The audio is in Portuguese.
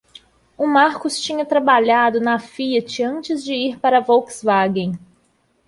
O Marcus tinha trabalhado na Fiat antes de ir para a Volkswagen.